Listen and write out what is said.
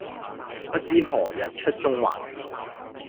不知何日出中環